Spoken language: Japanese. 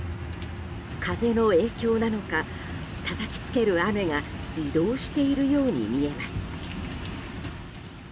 風の影響なのかたたきつける雨が移動しているように見えます。